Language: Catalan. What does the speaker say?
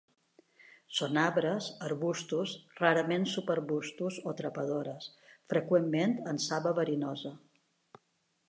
Són arbres, arbustos, rarament subarbustos o trepadores, freqüentment amb saba verinosa.